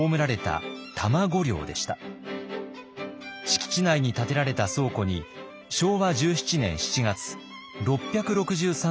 敷地内に建てられた倉庫に昭和１７年７月６６３点が移送。